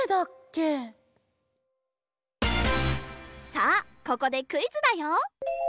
さあここでクイズだよ！